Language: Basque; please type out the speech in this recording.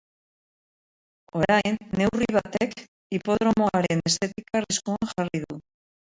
Orain, neurri batek hipodromoaren estetika arriskuan jarri du.